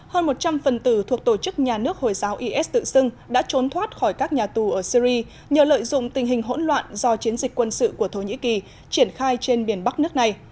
hơn một trăm linh phần tử thuộc tổ chức nhà nước hồi giáo is tự xưng đã trốn thoát khỏi các nhà tù ở syri nhờ lợi dụng tình hình hỗn loạn do chiến dịch quân sự của thổ nhĩ kỳ triển khai trên biển bắc nước này